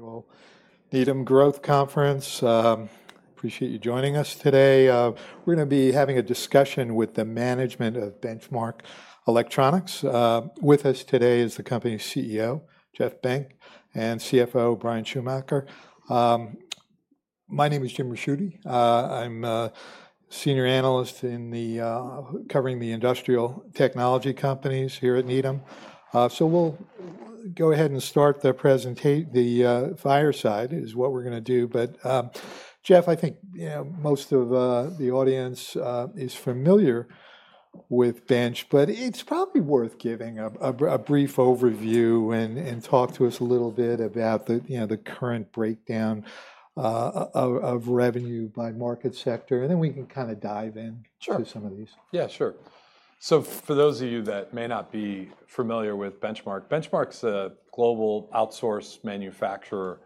Annual Needham Growth Conference. Appreciate you joining us today. We're going to be having a discussion with the management of Benchmark Electronics. With us today is the company's CEO, Jeff Benck, and CFO, Bryan Schumacher. My name is Jim Ricchiuti. I'm a senior analyst covering the industrial technology companies here at Needham, so we'll go ahead and start the presentation. The fireside is what we're going to do, but Jeff, I think you know most of the audience is familiar with Bench, but it's probably worth giving a brief overview and talk to us a little bit about the you know the current breakdown of revenue by market sector, and then we can kind of dive in to some of these. Sure. Yeah, sure. So for those of you that may not be familiar with Benchmark, Benchmark's a global outsource manufacturer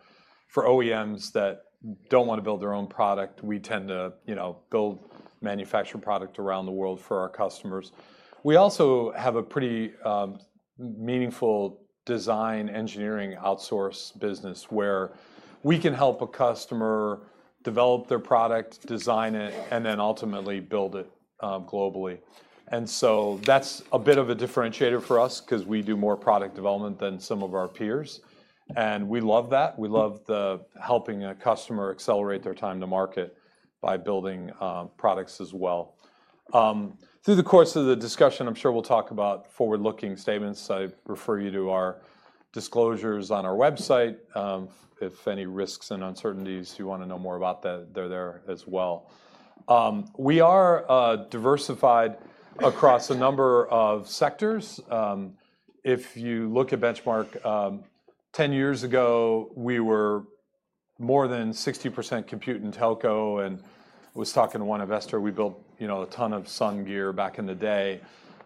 for OEMs that don't want to build their own product. We tend to, you know, build manufactured product around the world for our customers. We also have a pretty, meaningful design engineering outsource business where we can help a customer develop their product, design it, and then ultimately build it, globally. And so that's a bit of a differentiator for us because we do more product development than some of our peers. And we love that. We love the helping a customer accelerate their time to market by building, products as well. Through the course of the discussion, I'm sure we'll talk about forward-looking statements. I refer you to our disclosures on our website. If any risks and uncertainties, you want to know more about that, they're there as well. We are diversified across a number of sectors. If you look at Benchmark, ten years ago, we were more than 60% compute and telco. And I was talking to one investor. We built, you know, a ton of Sun gear back in the day.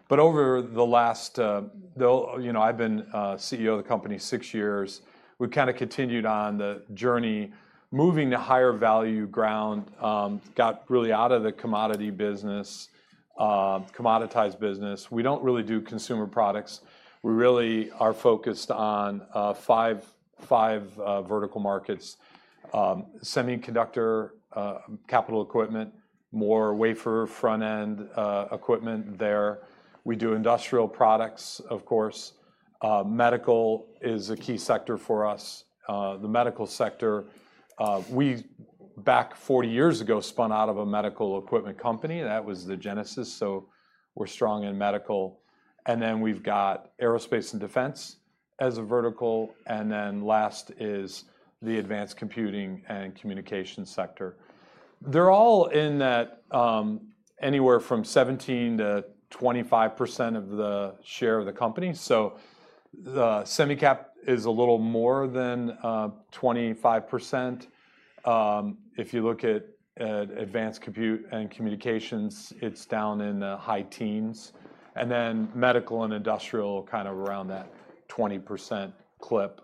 But over the last, you know, I've been CEO of the company six years. We've kind of continued on the journey, moving to higher value ground, got really out of the commodity business, commoditized business. We don't really do consumer products. We really are focused on five, five, vertical markets: semiconductor capital equipment, more wafer front-end equipment there. We do industrial products, of course. Medical is a key sector for us. The medical sector, we back 40 years ago spun out of a medical equipment company. That was the genesis. So we're strong in medical. And then we've got aerospace and defense as a vertical. And then last is the advanced computing and communications sector. They're all in that, anywhere from 17%-25% of the share of the company. So, semi-cap is a little more than 25%. If you look at advanced computing and communications, it's down in the high teens. And then medical and industrial kind of around that 20% clip,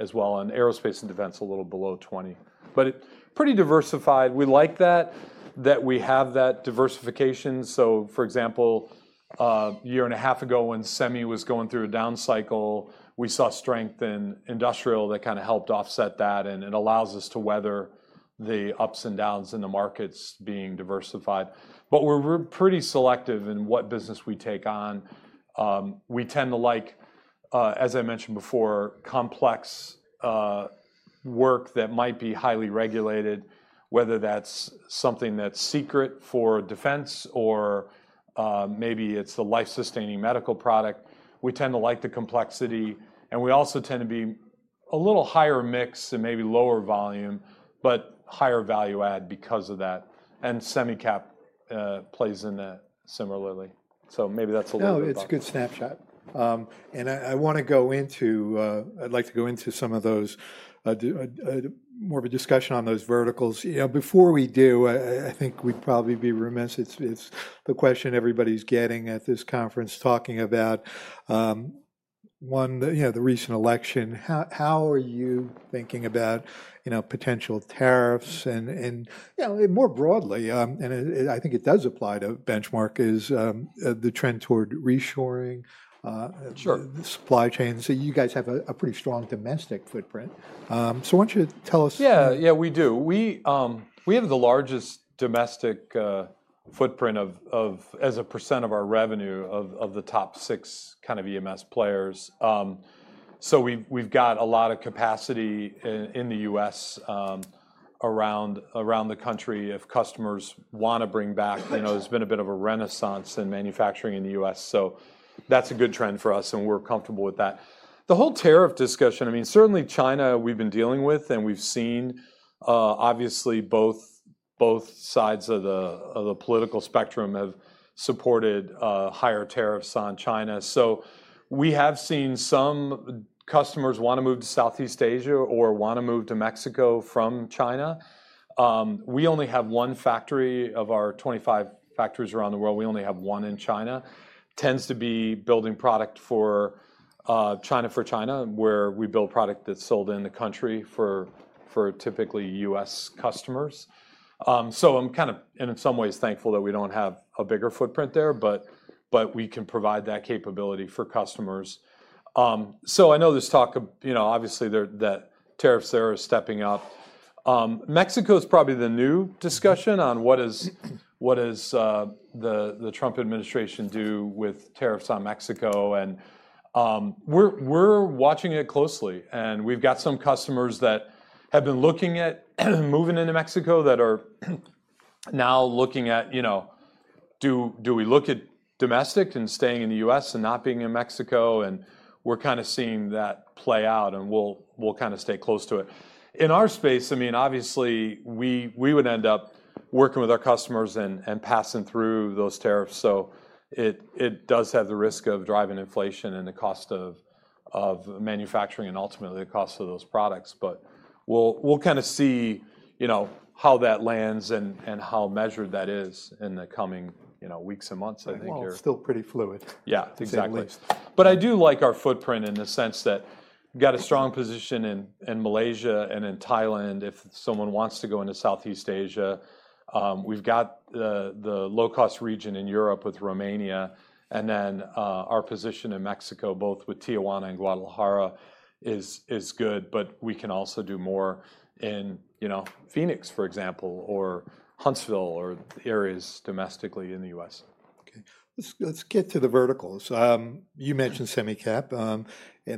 as well. And aerospace and defense a little below 20%, but it's pretty diversified. We like that, that we have that diversification. So, for example, a year and a half ago when semi was going through a down cycle, we saw strength in industrial that kind of helped offset that. And it allows us to weather the ups and downs in the markets being diversified. But we're pretty selective in what business we take on. We tend to like, as I mentioned before, complex work that might be highly regulated, whether that's something that's secret for defense or maybe it's the life-sustaining medical product. We tend to like the complexity, and we also tend to be a little higher mix and maybe lower volume, but higher value add because of that, and semi-cap plays in that similarly, so maybe that's a little bit more. No, it's a good snapshot, and I want to go into, I'd like to go into some of those, more of a discussion on those verticals. You know, before we do, I think we'd probably be remiss if it's the question everybody's getting at this conference talking about, one, you know, the recent election. How are you thinking about, you know, potential tariffs and, you know, more broadly? I think it does apply to Benchmark, is the trend toward reshoring, the supply chain. You guys have a pretty strong domestic footprint, so why don't you tell us. Yeah, yeah, we do. We have the largest domestic footprint of as a percent of our revenue of the top six kind of EMS players. So we've got a lot of capacity in the U.S., around the country if customers want to bring back. You know, there's been a bit of a renaissance in manufacturing in the U.S. So that's a good trend for us. We're comfortable with that. The whole tariff discussion, I mean, certainly China we've been dealing with and we've seen, obviously both sides of the political spectrum have supported higher tariffs on China. So we have seen some customers want to move to Southeast Asia or want to move to Mexico from China. We only have one factory of our 25 factories around the world. We only have one in China. Tends to be building product for China, for China, where we build product that's sold in the country for typically U.S. customers. So I'm kind of in some ways thankful that we don't have a bigger footprint there, but we can provide that capability for customers. So I know there's talk of, you know, obviously the tariffs there are stepping up. Mexico is probably the new discussion on what the Trump administration do with tariffs on Mexico. And we're watching it closely. And we've got some customers that have been looking at moving into Mexico that are now looking at, you know, do we look at domestic and staying in the U.S. and not being in Mexico? And we're kind of seeing that play out and we'll kind of stay close to it in our space. I mean, obviously we would end up working with our customers and passing through those tariffs. So it does have the risk of driving inflation and the cost of manufacturing and ultimately the cost of those products. But we'll kind of see, you know, how that lands and how measured that is in the coming, you know, weeks and months. I think. It's still pretty fluid. Yeah, exactly. But I do like our footprint in the sense that we've got a strong position in Malaysia and in Thailand. If someone wants to go into Southeast Asia, we've got the low-cost region in Europe with Romania. And then, our position in Mexico, both with Tijuana and Guadalajara is good, but we can also do more in, you know, Phoenix, for example, or Huntsville or areas domestically in the U.S. Okay. Let's get to the verticals. You mentioned semi-cap, and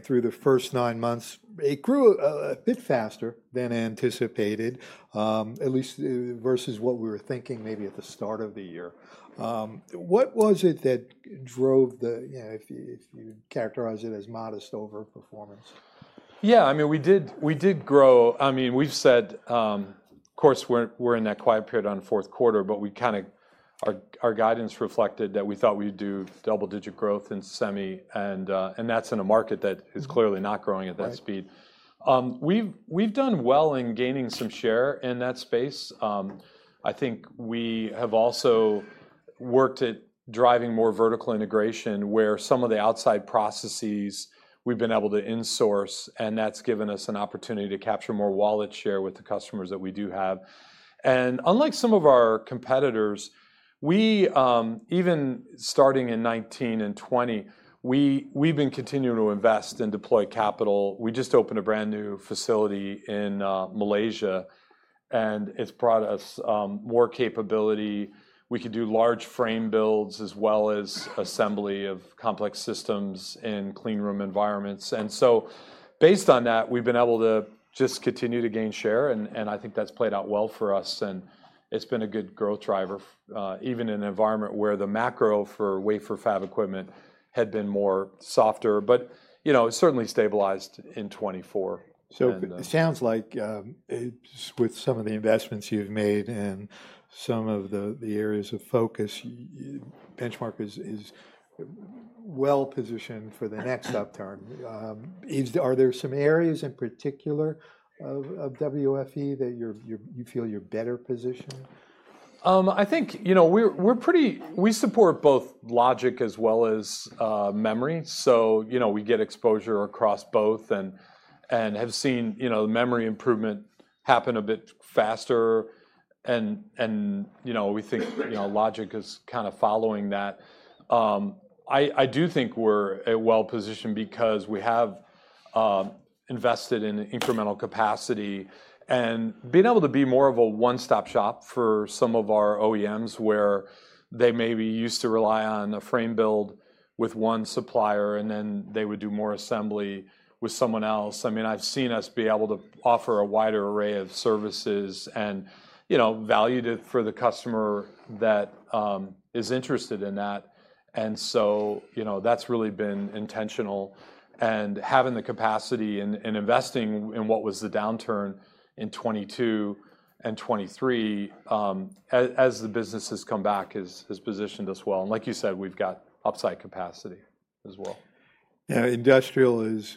through the first nine months, it grew a bit faster than anticipated, at least versus what we were thinking maybe at the start of the year. What was it that drove the, you know, if you characterize it as modest overperformance? Yeah, I mean, we did grow. I mean, we've said, of course, we're in that quiet period on fourth quarter, but our guidance reflected that we thought we'd do double-digit growth in semi and that's in a market that is clearly not growing at that speed. We've done well in gaining some share in that space. I think we have also worked at driving more vertical integration where some of the outside processes we've been able to insource, and that's given us an opportunity to capture more wallet share with the customers that we do have. And unlike some of our competitors, we even starting in 2019 and 2020, we've been continuing to invest and deploy capital. We just opened a brand new facility in Malaysia, and it's brought us more capability. We could do large frame builds as well as assembly of complex systems in clean room environments. And so based on that, we've been able to just continue to gain share. And I think that's played out well for us. And it's been a good growth driver, even in an environment where the macro for wafer fab equipment had been more softer, but you know, it certainly stabilized in 2024. So it sounds like, with some of the investments you've made and some of the areas of focus, Benchmark is well positioned for the next upturn. Are there some areas in particular of WFE that you feel you're better positioned? I think, you know, we're pretty. We support both logic as well as memory. So, you know, we get exposure across both and have seen, you know, the memory improvement happen a bit faster. And you know, we think, you know, logic is kind of following that. I do think we're well positioned because we have invested in incremental capacity and been able to be more of a one-stop shop for some of our OEMs where they maybe used to rely on a frame build with one supplier and then they would do more assembly with someone else. I mean, I've seen us be able to offer a wider array of services and, you know, value it for the customer that is interested in that. And so, you know, that's really been intentional and having the capacity and investing in what was the downturn in 2022 and 2023, as the business has come back has positioned us well. And like you said, we've got upside capacity as well. Yeah. Industrial is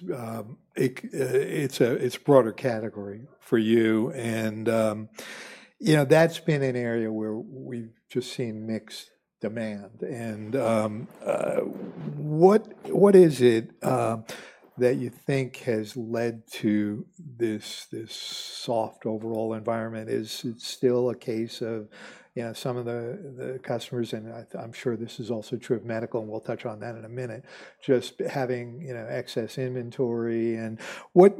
a broader category for you. And you know, that's been an area where we've just seen mixed demand. And what is it that you think has led to this soft overall environment? Is it still a case of you know some of the customers? And I'm sure this is also true of medical, and we'll touch on that in a minute, just having you know excess inventory. And what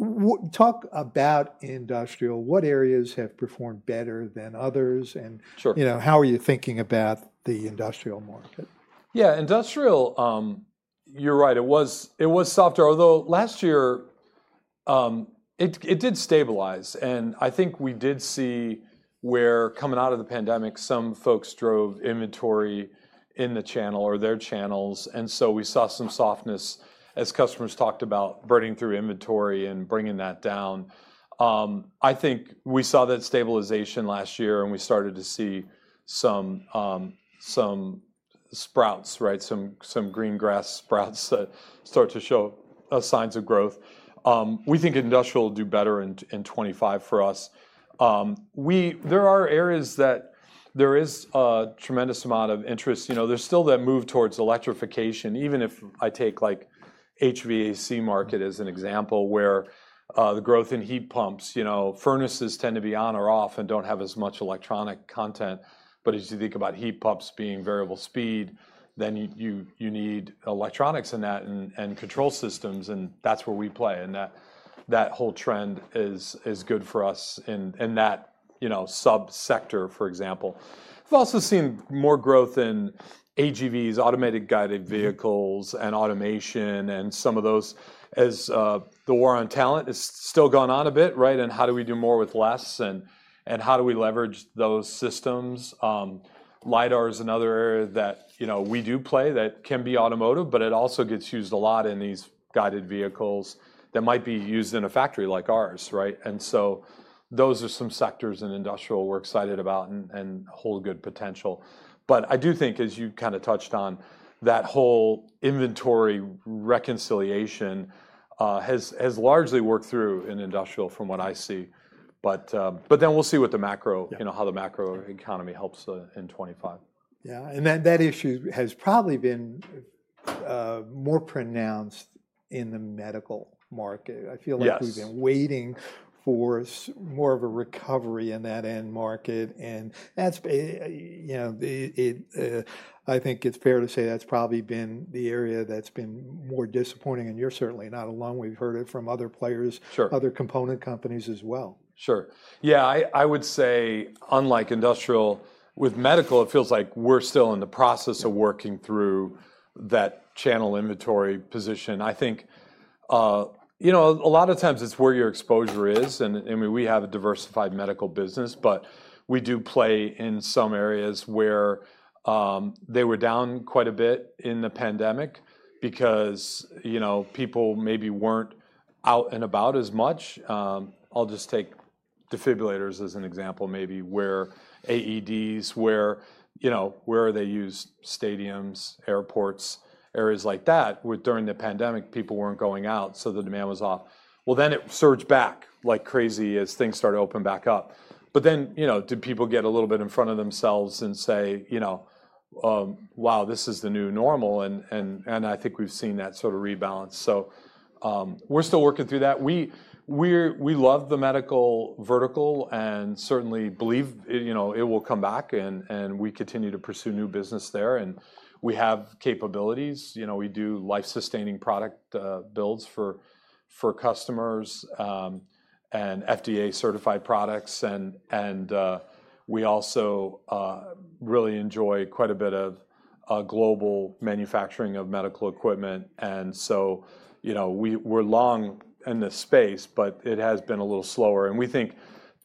about industrial, what areas have performed better than others? And you know, how are you thinking about the industrial market? Yeah, industrial, you're right. It was softer, although last year, it did stabilize. And I think we did see where coming out of the pandemic, some folks drove inventory in the channel or their channels. And so we saw some softness as customers talked about burning through inventory and bringing that down. I think we saw that stabilization last year and we started to see some sprouts, right? Some green grass sprouts that start to show signs of growth. We think industrial will do better in 2025 for us. There are areas that there is a tremendous amount of interest. You know, there's still that move towards electrification, even if I take like HVAC market as an example where the growth in heat pumps, you know, furnaces tend to be on or off and don't have as much electronic content. But as you think about heat pumps being variable speed, then you need electronics in that and control systems. And that's where we play in that whole trend is good for us in that, you know, sub-sector, for example. We've also seen more growth in AGVs, automated guided vehicles and automation and some of those as the war on talent is still going on a bit, right? And how do we do more with less and how do we leverage those systems? LiDARs and other area that, you know, we do play that can be automotive, but it also gets used a lot in these guided vehicles that might be used in a factory like ours, right? And so those are some sectors in industrial we're excited about and hold good potential. But I do think, as you kind of touched on that whole inventory reconciliation, has largely worked through in industrial from what I see. But then we'll see what the macro, you know, how the macro economy helps in 2025. Yeah. And that, that issue has probably been more pronounced in the medical market. I feel like we've been waiting for more of a recovery in that end market. And that's, you know, it, I think it's fair to say that's probably been the area that's been more disappointing. And you're certainly not alone. We've heard it from other players, other component companies as well. Sure. Yeah. I would say unlike industrial with medical, it feels like we're still in the process of working through that channel inventory position. I think, you know, a lot of times it's where your exposure is. I mean, we have a diversified medical business, but we do play in some areas where they were down quite a bit in the pandemic because, you know, people maybe weren't out and about as much. I'll just take defibrillators as an example, maybe where AEDs, you know, they use stadiums, airports, areas like that, where during the pandemic people weren't going out, so the demand was off, then it surged back like crazy as things started to open back up, but then, you know, did people get a little bit in front of themselves and say, you know, wow, this is the new normal? I think we've seen that sort of rebalance. So, we're still working through that. We love the medical vertical and certainly believe, you know, it will come back and we continue to pursue new business there. And we have capabilities, you know, we do life-sustaining product builds for customers, and FDA certified products. And we also really enjoy quite a bit of global manufacturing of medical equipment. And so, you know, we're long in the space, but it has been a little slower. And we think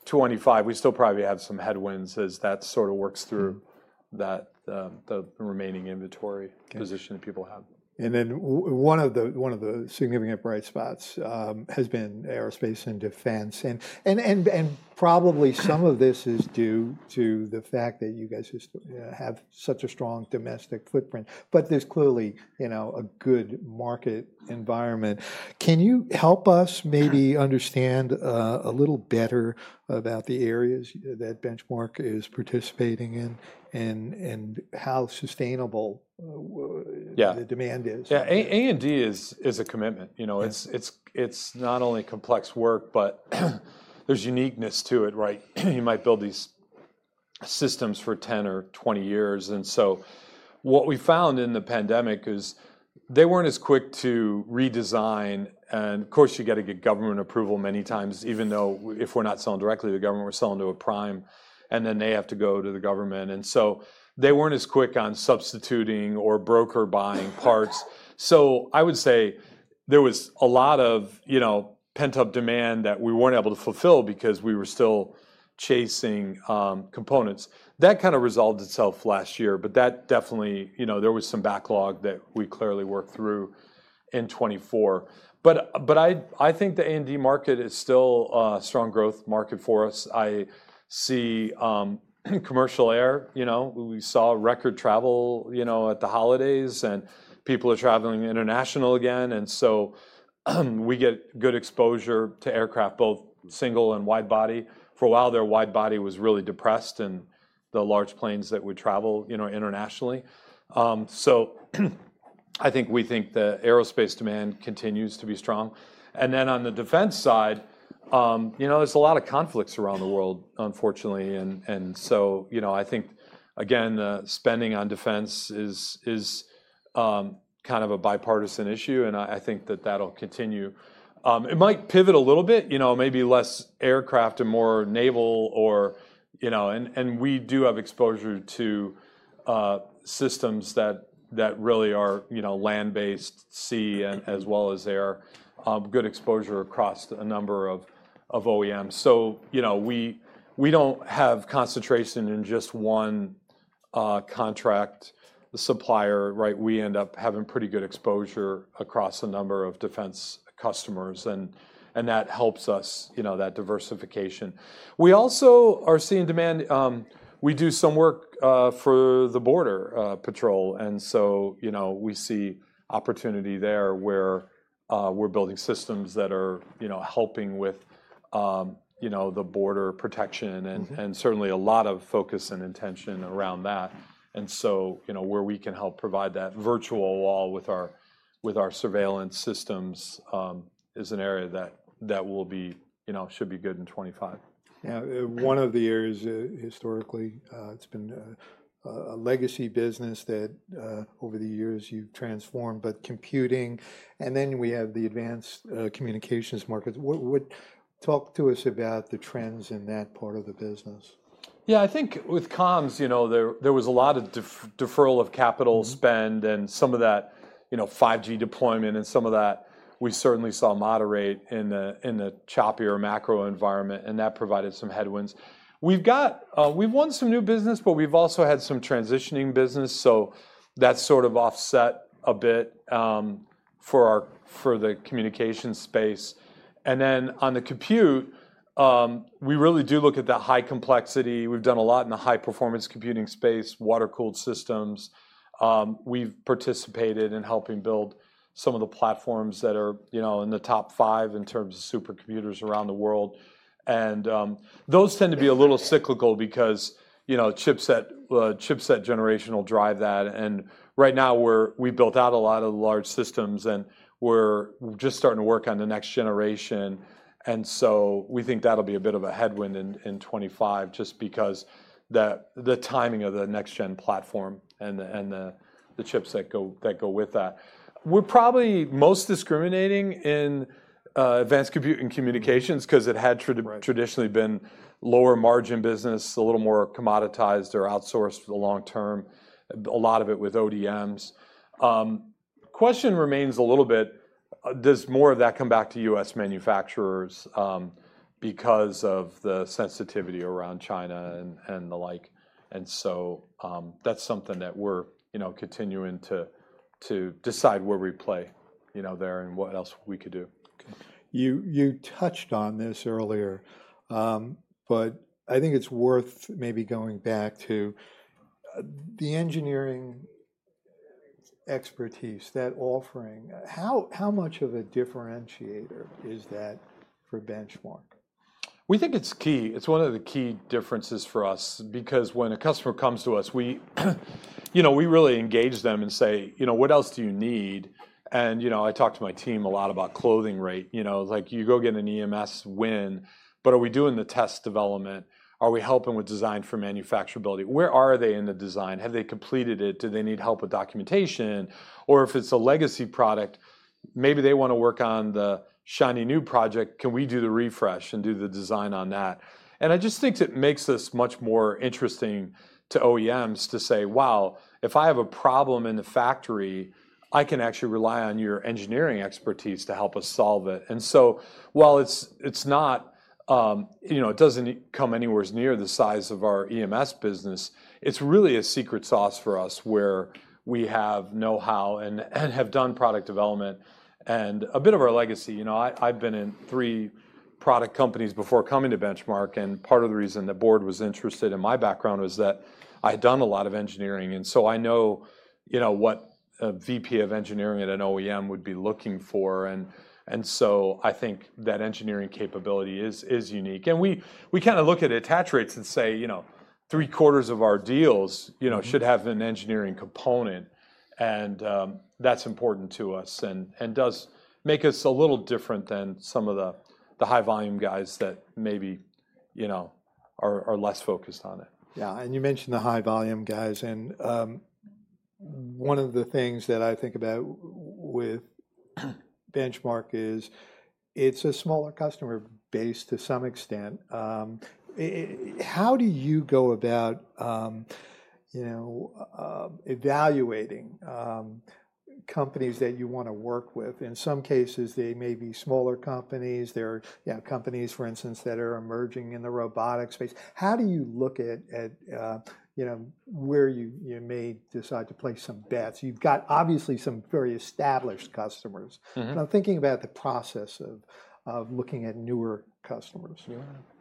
2025, we still probably have some headwinds as that sort of works through that, the remaining inventory position that people have. And then one of the significant bright spots has been aerospace and defense. And probably some of this is due to the fact that you guys just have such a strong domestic footprint, but there's clearly, you know, a good market environment. Can you help us maybe understand a little better about the areas that Benchmark is participating in and how sustainable the demand is? Yeah. A&D is a commitment. You know, it's not only complex work, but there's uniqueness to it, right? You might build these systems for 10 or 20 years. And so what we found in the pandemic is they weren't as quick to redesign. And of course, you gotta get government approval many times, even though if we're not selling directly to the government, we're selling to a prime, and then they have to go to the government. And so they weren't as quick on substituting or broker buying parts. So I would say there was a lot of, you know, pent-up demand that we weren't able to fulfill because we were still chasing components. That kind of resolved itself last year, but that definitely, you know, there was some backlog that we clearly worked through in 2024. But I think the A&D market is still a strong growth market for us. I see commercial air. You know, we saw record travel, you know, at the holidays and people are traveling international again. And so we get good exposure to aircraft, both single and wide body. For a while, their wide body was really depressed and the large planes that would travel, you know, internationally. So I think the aerospace demand continues to be strong. And then on the defense side, you know, there's a lot of conflicts around the world, unfortunately. And so, you know, I think again, the spending on defense is kind of a bipartisan issue. And I think that that'll continue. It might pivot a little bit, you know, maybe less aircraft and more naval or, you know, and we do have exposure to systems that really are, you know, land-based, sea and as well as air, good exposure across a number of OEMs. So, you know, we don't have concentration in just one contract supplier, right? We end up having pretty good exposure across a number of defense customers, and that helps us, you know, that diversification. We also are seeing demand. We do some work for the Border Patrol, and so, you know, we see opportunity there where we're building systems that are, you know, helping with, you know, the border protection and certainly a lot of focus and intention around that. And so, you know, where we can help provide that virtual wall with our surveillance systems is an area that will be, you know, should be good in 2025. Yeah. One of the areas historically, it's been a legacy business that, over the years you've transformed, but computing. And then we have the advanced communications markets. What, talk to us about the trends in that part of the business. Yeah. I think with comms, you know, there was a lot of deferral of capital spend and some of that, you know, 5G deployment and some of that we certainly saw moderation in the choppier macro environment, and that provided some headwinds. We've won some new business, but we've also had some transitioning business. That's sort of offset a bit for the communication space, and then on the compute, we really do look at the high complexity. We've done a lot in the high performance computing space, water-cooled systems. We've participated in helping build some of the platforms that are, you know, in the top five in terms of supercomputers around the world, and those tend to be a little cyclical because, you know, chipset generation will drive that. And right now we're. We built out a lot of large systems and we're just starting to work on the next generation. And so we think that'll be a bit of a headwind in 2025 just because the timing of the next gen platform and the chips that go with that. We're probably most discriminating in advanced compute and communications 'cause it had traditionally been lower margin business, a little more commoditized or outsourced for the long term, a lot of it with ODMs. The question remains a little bit, does more of that come back to U.S. manufacturers, because of the sensitivity around China and the like. And so that's something that we're, you know, continuing to decide where we play, you know, there and what else we could do. Okay. You touched on this earlier, but I think it's worth maybe going back to the engineering expertise, that offering. How much of a differentiator is that for Benchmark? We think it's key. It's one of the key differences for us because when a customer comes to us, we, you know, we really engage them and say, you know, what else do you need? And, you know, I talked to my team a lot about close rate, you know, it's like you go get an EMS win, but are we doing the test development? Are we helping with design for manufacturability? Where are they in the design? Have they completed it? Do they need help with documentation? Or if it's a legacy product, maybe they wanna work on the shiny new project. Can we do the refresh and do the design on that? And I just think it makes us much more interesting to OEMs to say, wow, if I have a problem in the factory, I can actually rely on your engineering expertise to help us solve it. And so while it's not, you know, it doesn't come anywhere near the size of our EMS business, it's really a secret sauce for us where we have know-how and have done product development and a bit of our legacy. You know, I've been in three product companies before coming to Benchmark. And part of the reason the board was interested in my background was that I had done a lot of engineering. And so I know, you know, what a VP of engineering at an OEM would be looking for. And so I think that engineering capability is unique. And we kind of look at attach rates and say, you know, three quarters of our deals, you know, should have an engineering component. That's important to us and does make us a little different than some of the high volume guys that maybe, you know, are less focused on it. Yeah. And you mentioned the high volume guys. And one of the things that I think about with Benchmark is it's a smaller customer base to some extent. How do you go about, you know, evaluating companies that you wanna work with? In some cases, they may be smaller companies. There are, you know, companies, for instance, that are emerging in the robotics space. How do you look at, you know, where you may decide to place some bets? You've got obviously some very established customers. I'm thinking about the process of looking at newer customers. Yeah.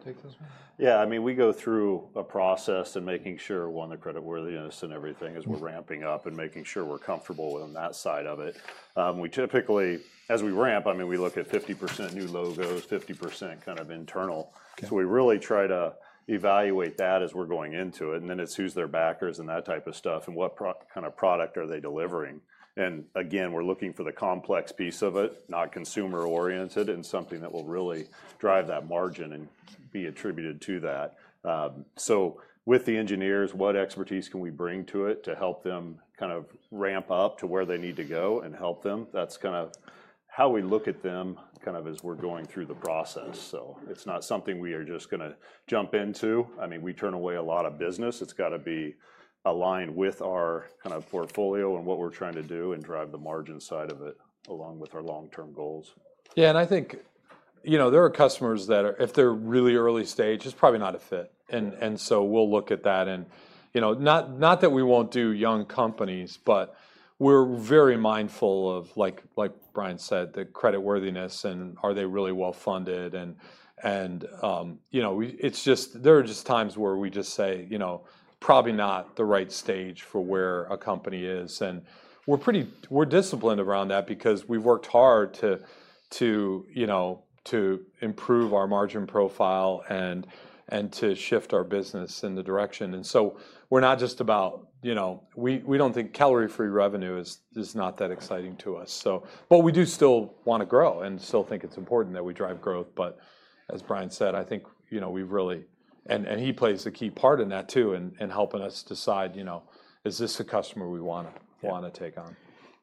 Take those one. Yeah. I mean, we go through a process and making sure one of the creditworthiness and everything as we're ramping up and making sure we're comfortable with that side of it. We typically, as we ramp, I mean, we look at 50% new logos, 50% kind of internal. So we really try to evaluate that as we're going into it. And then it's who's their backers and that type of stuff and what kind of product are they delivering. And again, we're looking for the complex piece of it, not consumer oriented and something that will really drive that margin and be attributed to that. So with the engineers, what expertise can we bring to it to help them kind of ramp up to where they need to go and help them? That's kind of how we look at them kind of as we're going through the process. So it's not something we are just gonna jump into. I mean, we turn away a lot of business. It's gotta be aligned with our kind of portfolio and what we're trying to do and drive the margin side of it along with our long-term goals. Yeah. And I think, you know, there are customers that are, if they're really early stage, it's probably not a fit. And so we'll look at that and, you know, not that we won't do young companies, but we're very mindful of, like Bryan said, the creditworthiness and are they really well funded and, you know, it's just, there are just times where we just say, you know, probably not the right stage for where a company is. And we're pretty disciplined around that because we've worked hard to, you know, to improve our margin profile and to shift our business in the direction. And so we're not just about, you know, we don't think calorie-free revenue is not that exciting to us. So, but we do still wanna grow and still think it's important that we drive growth. But as Bryan said, I think, you know, we've really, and he plays a key part in that too and helping us decide, you know, is this a customer we wanna take on?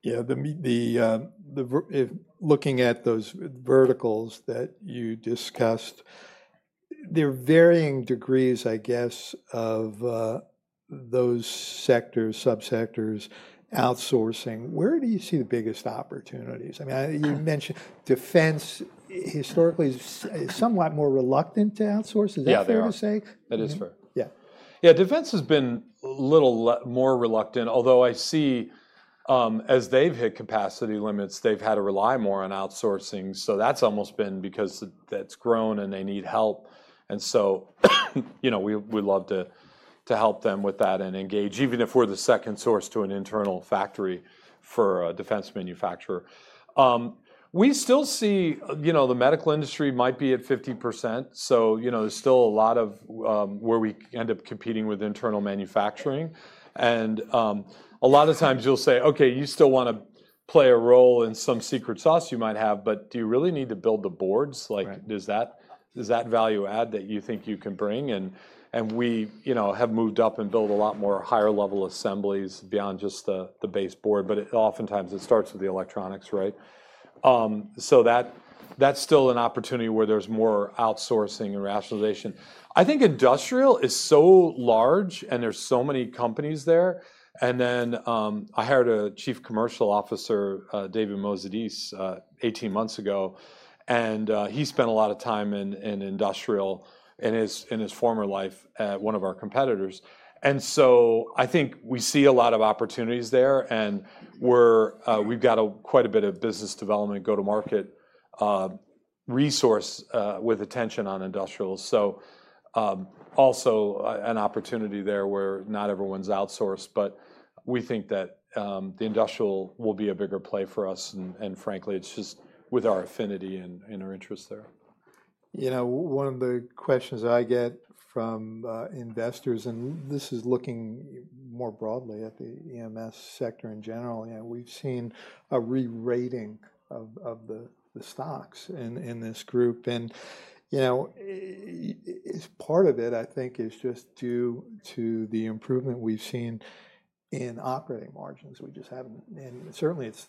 Yeah. If looking at those verticals that you discussed, there are varying degrees, I guess, of those sectors, subsectors outsourcing. Where do you see the biggest opportunities? I mean, you mentioned defense historically is somewhat more reluctant to outsource. Is that fair to say? Yeah. That is fair. Yeah. Yeah. Defense has been a little more reluctant, although I see, as they've hit capacity limits, they've had to rely more on outsourcing. So that's almost been because that's grown and they need help. And so, you know, we, we'd love to, to help them with that and engage, even if we're the second source to an internal factory for a defense manufacturer. We still see, you know, the medical industry might be at 50%. So, you know, there's still a lot of, where we end up competing with internal manufacturing. And, a lot of times you'll say, okay, you still wanna play a role in some secret sauce you might have, but do you really need to build the boards? Like, does that, does that value add that you think you can bring? We, you know, have moved up and built a lot more higher level assemblies beyond just the base board, but it oftentimes starts with the electronics, right? That's still an opportunity where there's more outsourcing and rationalization. I think industrial is so large and there's so many companies there. I hired a Chief Commercial Officer, David Moses 18 months ago, and he spent a lot of time in industrial in his former life at one of our competitors. So I think we see a lot of opportunities there and we've got quite a bit of business development, go-to-market resources, with attention on industrial. Also an opportunity there where not everyone's outsourced, but we think that the industrial will be a bigger play for us. And frankly, it's just with our affinity and our interest there. You know, one of the questions I get from investors, and this is looking more broadly at the EMS sector in general, you know, we've seen a rerating of the stocks in this group, and you know, it's part of it, I think, is just due to the improvement we've seen in operating margins. We just haven't, and certainly it's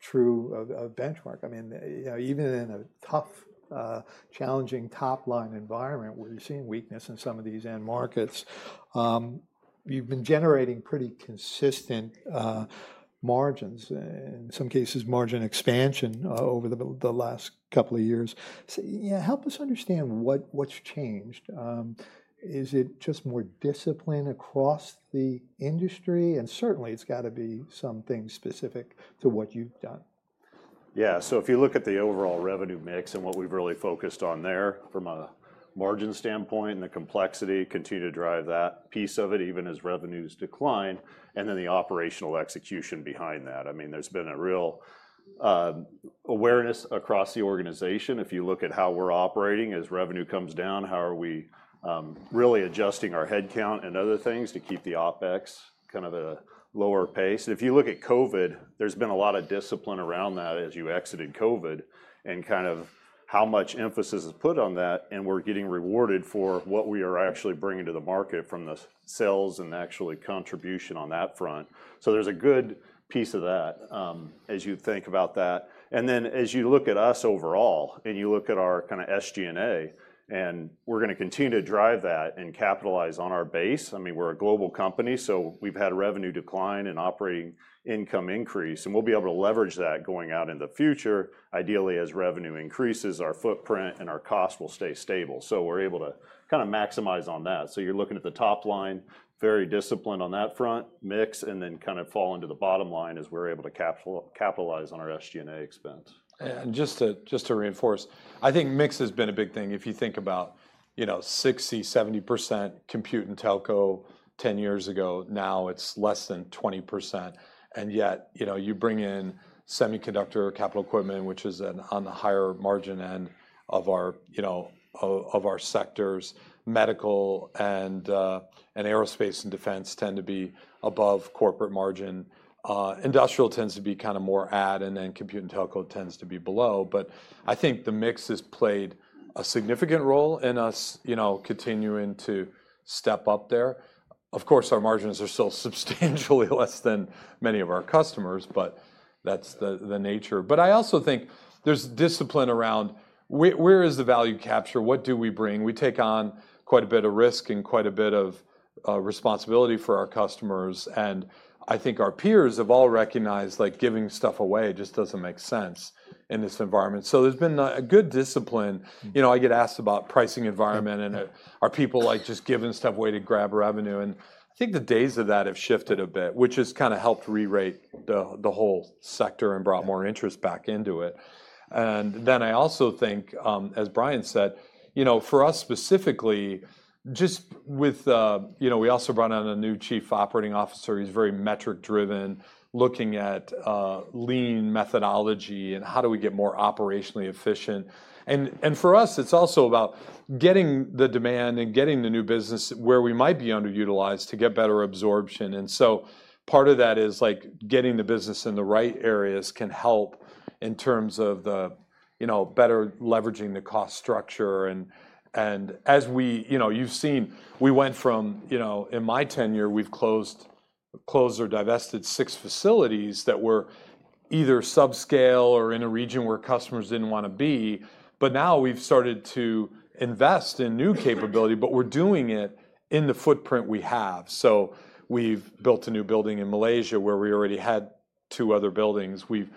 true of Benchmark. I mean, you know, even in a tough, challenging top line environment where you're seeing weakness in some of these end markets, you've been generating pretty consistent margins and in some cases margin expansion over the last couple of years, so yeah, help us understand what's changed. Is it just more discipline across the industry, and certainly it's gotta be something specific to what you've done. Yeah, so if you look at the overall revenue mix and what we've really focused on there from a margin standpoint and the complexity continue to drive that piece of it, even as revenues decline, and then the operational execution behind that. I mean, there's been a real awareness across the organization. If you look at how we're operating as revenue comes down, how are we really adjusting our headcount and other things to keep the OpEx kind of a lower pace, and if you look at COVID, there's been a lot of discipline around that as you exited COVID and kind of how much emphasis is put on that, and we're getting rewarded for what we are actually bringing to the market from the sales and actually contribution on that front, so there's a good piece of that as you think about that. And then as you look at us overall and you look at our kind of SG&A and we're gonna continue to drive that and capitalize on our base. I mean, we're a global company, so we've had revenue decline and operating income increase, and we'll be able to leverage that going out in the future, ideally as revenue increases, our footprint and our cost will stay stable, so we're able to kind of maximize on that, so you're looking at the top line, very disciplined on that front mix, and then kind of fall into the bottom line as we're able to capitalize on our SG&A expense. And just to, just to reinforce, I think mix has been a big thing. If you think about, you know, 60%-70% compute and telco 10 years ago, now it's less than 20%. And yet, you know, you bring in semiconductor capital equipment, which is on the higher margin end of our, you know, of our sectors. Medical and, and aerospace and defense tend to be above corporate margin. Industrial tends to be kind of more average and then compute and telco tends to be below. But I think the mix has played a significant role in us, you know, continuing to step up there. Of course, our margins are still substantially less than many of our customers, but that's the, the nature. But I also think there's discipline around where, where is the value capture? What do we bring? We take on quite a bit of risk and quite a bit of responsibility for our customers, and I think our peers have all recognized, like giving stuff away just doesn't make sense in this environment. So there's been a good discipline. You know, I get asked about pricing environment and are people like just giving stuff away to grab revenue, and I think the days of that have shifted a bit, which has kind of helped rerate the whole sector and brought more interest back into it. And then I also think, as Bryan said, you know, for us specifically, just with, you know, we also brought on a new Chief Operating Officer. He's very metric driven, looking at lean methodology and how do we get more operationally efficient. And for us, it's also about getting the demand and getting the new business where we might be underutilized to get better absorption. And so part of that is like getting the business in the right areas can help in terms of the, you know, better leveraging the cost structure. And as we, you know, you've seen, we went from, you know, in my tenure, we've closed or divested six facilities that were either subscale or in a region where customers didn't wanna be. But now we've started to invest in new capability, but we're doing it in the footprint we have. So we've built a new building in Malaysia where we already had two other buildings. We've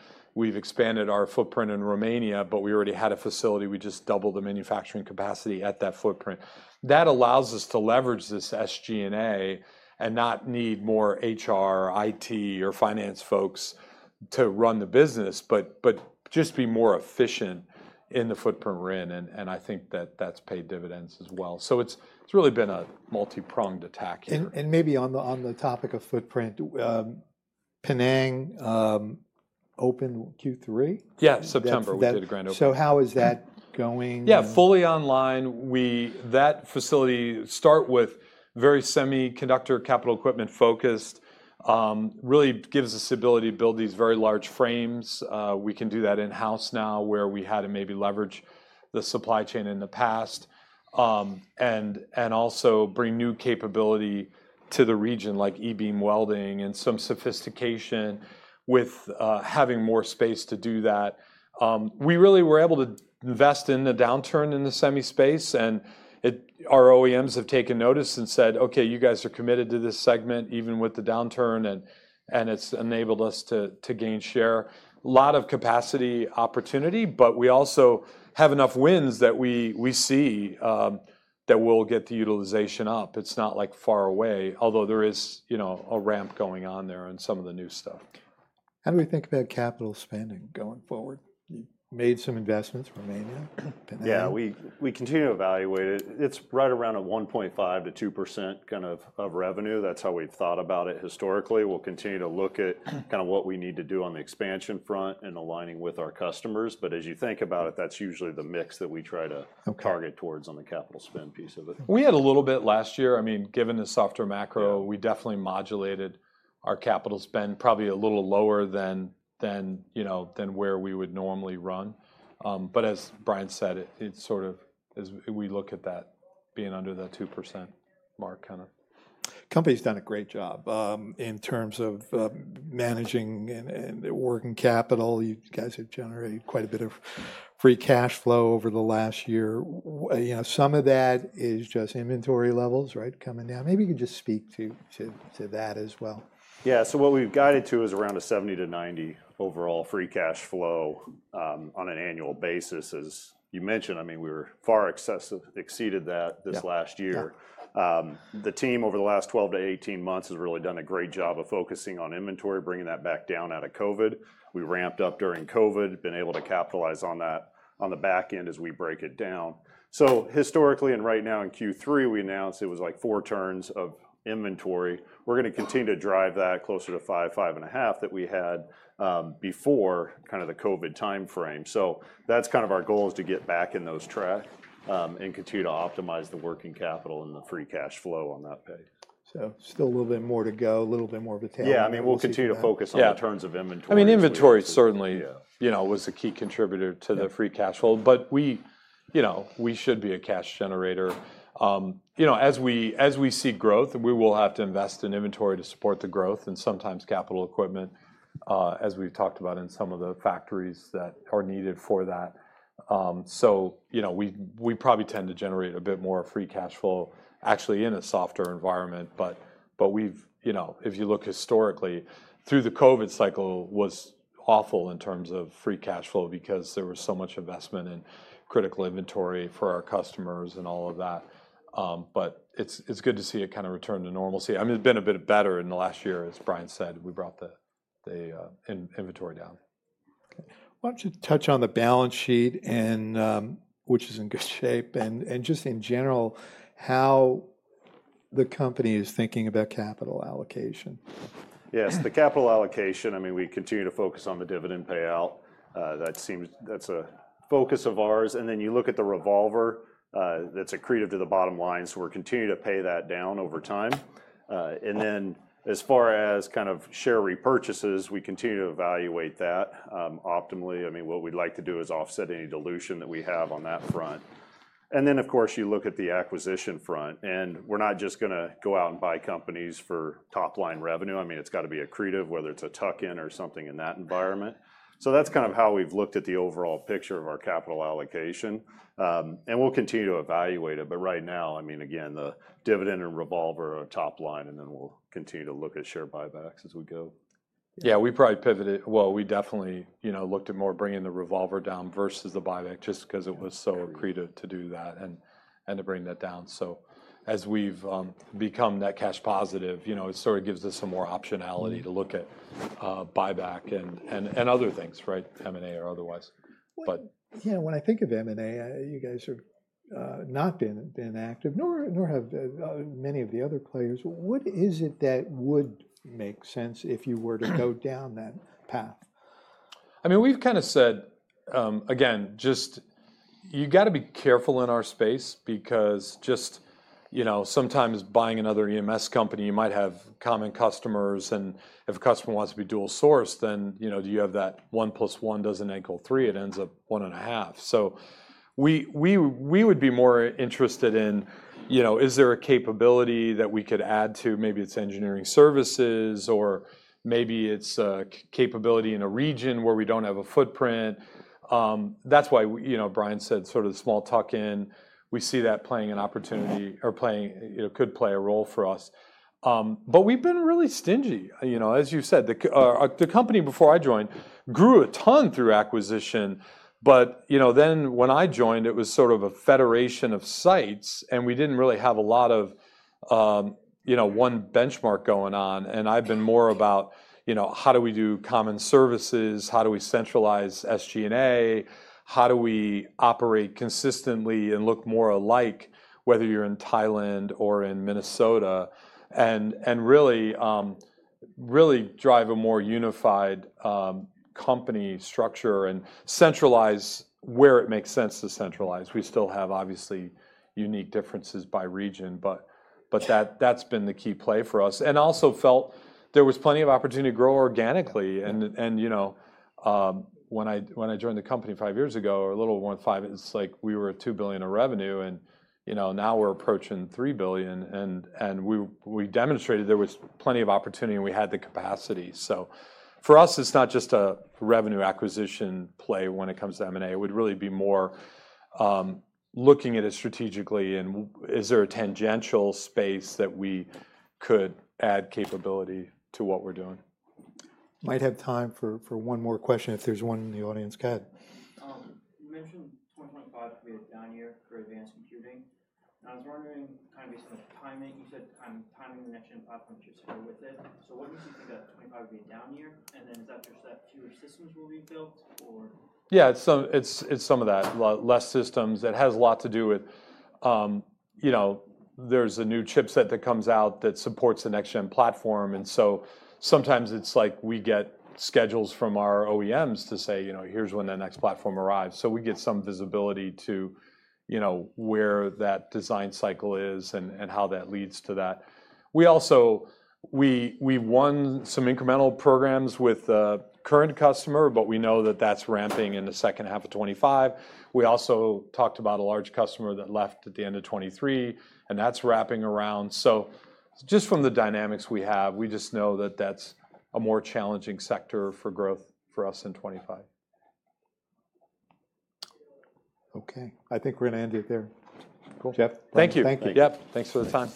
expanded our footprint in Romania, but we already had a facility. We just doubled the manufacturing capacity at that footprint. That allows us to leverage this SG&A and not need more HR, IT, or finance folks to run the business, but just be more efficient in the footprint we're in, and I think that that's paid dividends as well. So it's really been a multi-pronged attack here. And maybe on the topic of footprint, Penang, open Q3? Yeah. September we did a grand opening. So how is that going? Yeah. Fully online. We had that facility start with very semiconductor capital equipment focused, really gives us the ability to build these very large frames. We can do that in-house now where we had to maybe leverage the supply chain in the past, and also bring new capability to the region like e-beam welding and some sophistication with having more space to do that. We really were able to invest in the downturn in the semi space and it, our OEMs have taken notice and said, okay, you guys are committed to this segment even with the downturn. And it's enabled us to gain share, a lot of capacity opportunity, but we also have enough wins that we see that we'll get the utilization up. It's not like far away, although there is, you know, a ramp going on there and some of the new stuff. How do we think about capital spending going forward? You made some investments, Romania. Yeah. We continue to evaluate it. It's right around a 1.5%-2% kind of revenue. That's how we've thought about it historically. We'll continue to look at kind of what we need to do on the expansion front and aligning with our customers. But as you think about it, that's usually the mix that we try to target towards on the capital spend piece of it. We had a little bit last year. I mean, given the softer macro, we definitely modulated our capital spend probably a little lower than you know, than where we would normally run. But as Bryan said, it sort of, as we look at that being under the 2% mark kind of company's done a great job, in terms of, managing and working capital. You guys have generated quite a bit of free cash flow over the last year. You know, some of that is just inventory levels, right? Coming down. Maybe you can just speak to that as well. Yeah. So what we've guided to is around a $70-$90 overall free cash flow, on an annual basis as you mentioned. I mean, we far exceeded that this last year. The team over the last 12-18 months has really done a great job of focusing on inventory, bringing that back down out of COVID. We ramped up during COVID, been able to capitalize on that on the backend as we break it down. So historically, and right now in Q3, we announced it was like four turns of inventory. We're gonna continue to drive that closer to five, five and a half that we had, before kind of the COVID timeframe. So that's kind of our goal is to get back on track, and continue to optimize the working capital and the free cash flow on that page. So, still a little bit more to go, a little bit more of a tail. Yeah. I mean, we'll continue to focus on the turns of inventory. I mean, inventory certainly, you know, was a key contributor to the free cash flow, but we, you know, we should be a cash generator. You know, as we, as we see growth, we will have to invest in inventory to support the growth and sometimes capital equipment, as we've talked about in some of the factories that are needed for that. So, you know, we, we probably tend to generate a bit more free cash flow actually in a softer environment, but, but we've, you know, if you look historically through the COVID cycle was awful in terms of free cash flow because there was so much investment in critical inventory for our customers and all of that. But it's, it's good to see it kind of return to normalcy. I mean, it's been a bit better in the last year, as Bryan said, we brought the inventory down. Okay. Why don't you touch on the balance sheet, which is in good shape, and just in general, how the company is thinking about capital allocation. Yes. The capital allocation, I mean, we continue to focus on the dividend payout. That seems, that's a focus of ours. And then you look at the revolver, that's accretive to the bottom line. So we're continuing to pay that down over time. And then as far as kind of share repurchases, we continue to evaluate that, optimally. I mean, what we'd like to do is offset any dilution that we have on that front. And then of course you look at the acquisition front and we're not just gonna go out and buy companies for top line revenue. I mean, it's gotta be accretive, whether it's a tuck-in or something in that environment. So that's kind of how we've looked at the overall picture of our capital allocation. And we'll continue to evaluate it. But right now, I mean, again, the dividend and revolver are top line and then we'll continue to look at share buybacks as we go. Yeah. We probably pivoted. Well, we definitely, you know, looked at more bringing the revolver down versus the buyback just 'cause it was so accretive to do that and to bring that down. So as we've become net cash positive, you know, it sort of gives us some more optionality to look at buyback and other things, right? M&A or otherwise. But. Yeah. When I think of M&A, you guys have not been active nor have many of the other players. What is it that would make sense if you were to go down that path? I mean, we've kind of said, again, just you gotta be careful in our space because just, you know, sometimes buying another EMS company, you might have common customers. And if a customer wants to be dual source, then, you know, do you have that one plus one doesn't equal three, it ends up one and a half. So we would be more interested in, you know, is there a capability that we could add to maybe it's engineering services or maybe it's a capability in a region where we don't have a footprint. That's why, you know, Bryan said sort of the small tuck-in, we see that playing an opportunity or, you know, could play a role for us. But we've been really stingy, you know, as you said, the company before I joined grew a ton through acquisition. You know, then when I joined, it was sort of a federation of sites and we didn't really have a lot of, you know, one Benchmark going on. And I've been more about, you know, how do we do common services? How do we centralize SG&A? How do we operate consistently and look more alike whether you're in Thailand or in Minnesota? And, and really, really drive a more unified company structure and centralize where it makes sense to centralize. We still have obviously unique differences by region, but, but that, that's been the key play for us. And also felt there was plenty of opportunity to grow organically. And, and you know, when I joined the company five years ago, or a little more than five, it's like we were at $2 billion of revenue and, you know, now we're approaching $3 billion. And we demonstrated there was plenty of opportunity and we had the capacity. So for us, it's not just a revenue acquisition play when it comes to M&A. It would really be more, looking at it strategically and is there a tangential space that we could add capability to what we're doing? Might have time for one more question if there's one in the audience. You mentioned 2025 could be a down year for advanced computing. And I was wondering kind of based on the timing, you said, timing the next gen platform chips that go with it. So what makes you think that 2025 would be a down year? And then is that just that fewer systems will be built or? Yeah. It's some of that, less systems. It has a lot to do with, you know, there's a new chipset that comes out that supports the next gen platform. And so sometimes it's like we get schedules from our OEMs to say, you know, here's when the next platform arrives. So we get some visibility to, you know, where that design cycle is and how that leads to that. We also, we've won some incremental programs with the current customer, but we know that that's ramping in the second half of 2025. We also talked about a large customer that left at the end of 2023 and that's wrapping around. So just from the dynamics we have, we just know that that's a more challenging sector for growth for us in 2025. Okay. I think we're gonna end it there. Cool. Jeff. Thank you. Thank you. Yep. Thanks for the time.